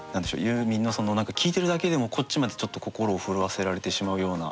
ユーミンのその何か聴いてるだけでもこっちまでちょっと心を震わせられてしまうような。